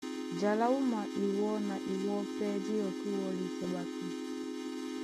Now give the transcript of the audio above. Ja lá wúma iwɔ́ na iwɔ́ pɛ́ dí yɔkí wɔlisɛ ɓato .